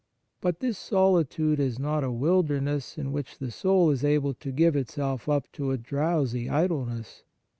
But this solitude is not a wilder ness in which the soul is able to give itself up to a drowsy idleness.